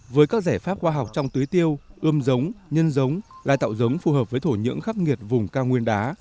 với các giải pháp khoa học trong tưới tiêu ươm giống nhân giống lai tạo giống phù hợp với thổ nhưỡng khắp nghiệt vùng cao nguyên đá